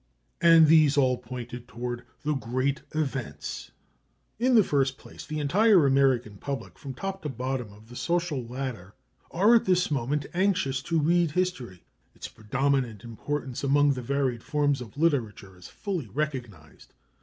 And these all pointed toward "THE GREAT EVENTS." In the first place, the entire American public, from top to bottom of the social ladder, are at this moment anxious to read history. Its predominant importance among the varied forms of literature is fully recognized.